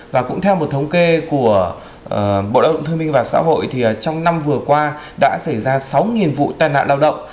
và cũng theo một thống kê của bộ lao động thương minh và xã hội thì trong năm vừa qua đã xảy ra sáu vụ tai nạn lao động